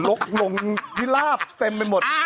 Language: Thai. นกลงพิลาปเต็มไปหมด